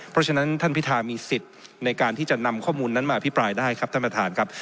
เพราะฉะนั้นท่านพิธามีสิทธิ์ในการที่จะนำข้อมูลนั้นมาอภิปรายได้ครับท่านประธานครับ